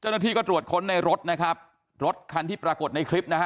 เจ้าหน้าที่ก็ตรวจค้นในรถนะครับรถคันที่ปรากฏในคลิปนะฮะ